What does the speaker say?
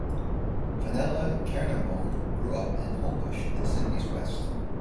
Fenella Kernebone grew up in Homebush, in Sydney's west.